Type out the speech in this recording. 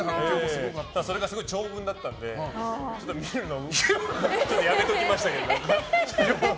それがすごい長文だったので見るのやめておきましたけど。